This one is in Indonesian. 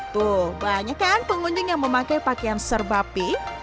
tuh banyak kan pengunjung yang memakai pakaian serba pink